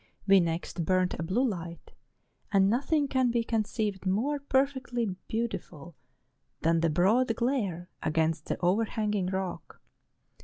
We next burnt a blue light; and nothing can be conceived more perfectly beautiful than the broad glare against the overhanging rock.